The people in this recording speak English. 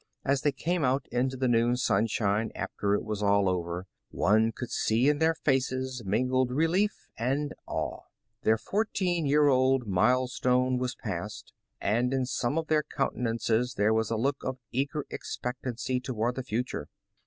As they came out into the noon sunshine after it was all over, one could see in their faces mingled relief and awe. Their fourteen year old mile stone was passed, and in some of their countenances there was a look of eager expectancy toward the future.